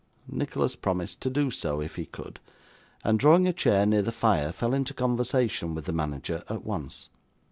Nicholas promised to do so, if he could, and drawing a chair near the fire, fell into conversation with the manager at once.